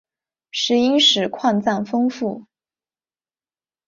石英石矿藏丰富。